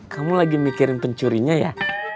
kamu lagi mikirin pencurinya ya